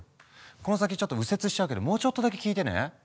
この先ちょっと右折しちゃうけどもうちょっとだけ聞いてね。